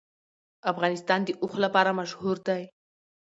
افغانستان د اوښ لپاره مشهور دی.